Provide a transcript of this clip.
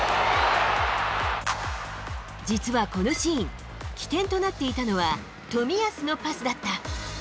実はこのシーン、起点となっていたのは冨安のパスだった。